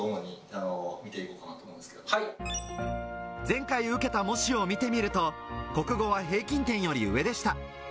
前回受けた模試を見てみると国語は平均点より上でした。